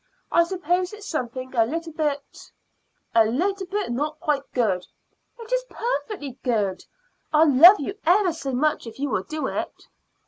I suppose it's something a little bit a little bit not quite good." "It is perfectly good. I'll love you ever so much if you will do it."